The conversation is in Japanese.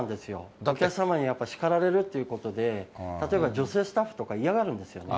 お客様にやっぱり叱られるということで、例えば女性スタッフとか、嫌がるんですよ。